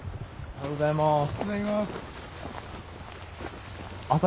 おはようございます。